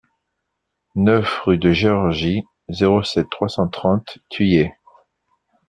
neuf rue de Georgie, zéro sept, trois cent trente Thueyts